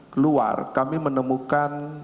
keluar kami menemukan